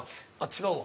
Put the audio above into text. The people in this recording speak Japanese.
違うわ。